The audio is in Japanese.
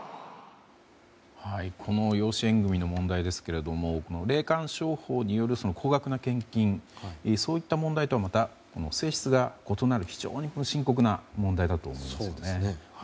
この養子縁組の問題ですけれども霊感商法による高額な献金そういった問題とはまた性質が異なる非常に深刻な問題だと思いますよね。